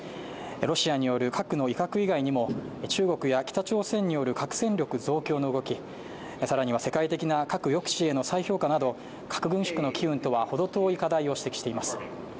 ロシアによる核の威嚇以外にも中国や北朝鮮による核戦力増強の動き、更には世界的な核抑止への再強化など核軍縮の機運とはほど遠い課題を指摘しています。